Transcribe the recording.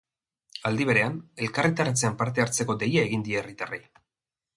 Aldi berean, elkarretaratzean parte hartzeko deia egin die herritarrei.